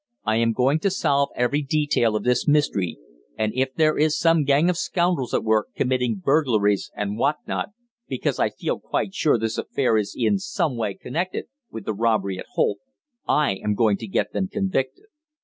I am going to solve every detail of this mystery, and if there is some gang of scoundrels at work committing burglaries and what not because I feel quite sure this affair is in some way connected with the robbery at Holt I am going to get them convicted.